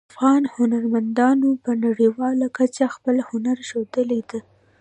افغان هنرمندانو په نړیواله کچه خپل هنر ښودلی ده